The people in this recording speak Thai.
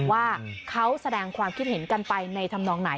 ว่าเขาแสดงความคิดเห็นกันไปในธรรมนองไหน